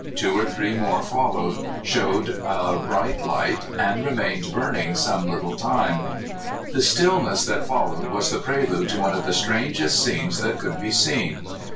Two or three more followed, showed a bright light, and remained burning some little time. The stillness that followed was the prelude to one of the strangest scenes that could be seen.